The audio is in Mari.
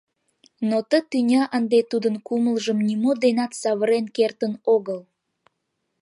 Но ты тӱня ынде тудын кумылжым нимо денат савырен кертын огыл.